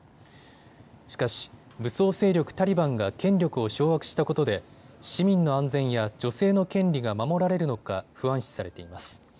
しかし武装勢力タリバンが権力を掌握したことで市民の安全や女性の権利が守られるのか不安視されています。